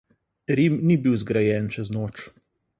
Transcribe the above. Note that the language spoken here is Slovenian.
Rim ni bil zgrajen čez noč.